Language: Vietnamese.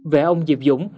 về ông diệp dũng